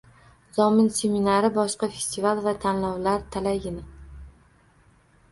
Zomin seminari, boshqa festival va tanlovlar talaygina.